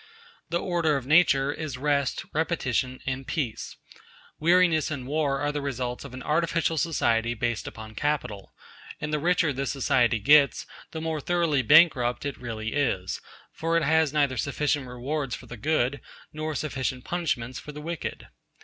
The order of nature is rest, repetition, and peace. Weariness and war are the results of an artificial society based upon capital; and the richer this society gets, the more thoroughly bankrupt it really is, for it has neither sufficient rewards for the good nor sufficient punishments for the wicked.